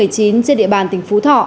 trên địa bàn tỉnh phú thọ